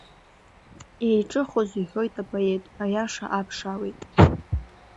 Еиҿыхоз иҳәоит апоет, аиаша ааԥшуеит!